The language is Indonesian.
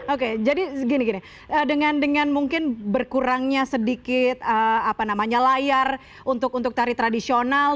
oke jadi gini gini dengan mungkin berkurangnya sedikit apa namanya layar untuk tari tradisional